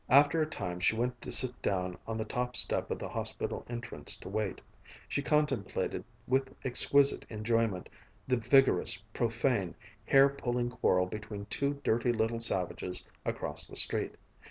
After a time she went to sit down on the top step of the hospital entrance to wait. She contemplated with exquisite enjoyment the vigorous, profane, hair pulling quarrel between two dirty little savages across the street.